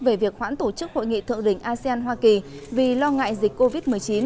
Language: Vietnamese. về việc hoãn tổ chức hội nghị thượng đỉnh asean hoa kỳ vì lo ngại dịch covid một mươi chín